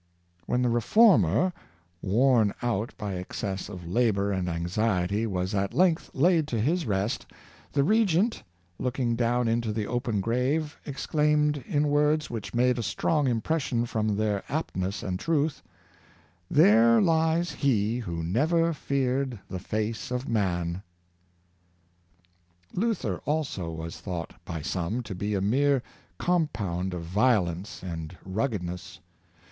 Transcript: When the Reformer, worn out by excess of labor and anxiety, was at length laid to his rest, the regent, looking down into the open grave, ex claimed, in words which made a strong impression from their aptness and truth —" There lies he who never feared the face of man! " Luther also was thought by some to be a mere com pound of violence and ruggedness.